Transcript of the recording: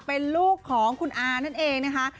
เป็นลูกของคุณอานั่นเองนะคะ